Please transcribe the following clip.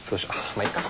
まあいっか。